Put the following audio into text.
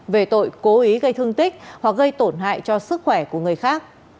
về tội cố ý gây thương tích hoặc gây tổn hại cho sức khỏe của người khác